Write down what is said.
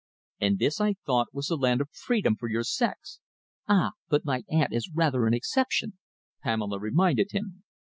"And this, I thought, was the land of freedom for your sex!" "Ah, but my aunt is rather an exception," Pamela reminded him.